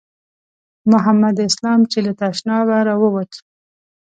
محمد اسلام چې له تشنابه راووت.